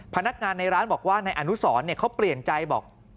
พนักงานในร้านบอกว่านายอนุสรเขาเปลี่ยนใจบอก